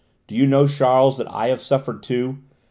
Do you know, Charles, that I have suffered too?